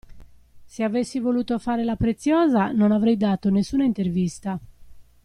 Se avessi voluto fare la preziosa, non avrei dato nessuna intervista.